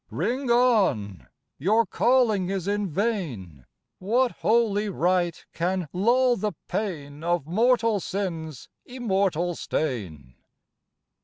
Ring on! Your calling is in vain, What holy rite can lull the pain Of mortal Sin's Immortal stain.